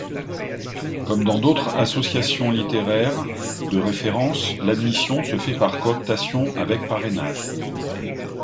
Comme dans d'autres associations littéraires de référence, l'admission se fait par cooptation, avec parrainage.